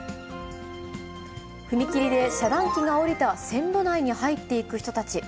踏切で遮断機が下りた線路内に入っていく人たち。